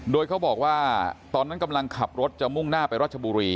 โดยเขาบอกว่าตอนนั้นกำลังขับรถจะมุ่งหน้าไปรัชบุรี